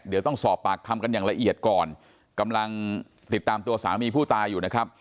เดี๋ยวต้องสอบปากคำกันอย่างละเอียดก่อนกำลังติดตามตัวสามีผู้ตายอยู่นะครับ